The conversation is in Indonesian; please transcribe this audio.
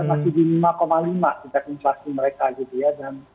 masih di lima lima sejak inflasi mereka gitu ya